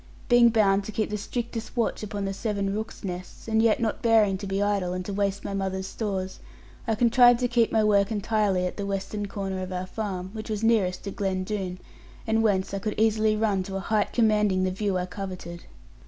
Being bound to keep the strictest watch upon the seven rooks' nests, and yet not bearing to be idle and to waste my mother's stores, I contrived to keep my work entirely at the western corner of our farm, which was nearest to Glen Doone, and whence I could easily run to a height commanding the view I coveted.